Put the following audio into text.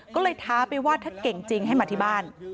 ก็เลยท้าไปว่าถ้าเก่งจริงให้มาที่บ้าน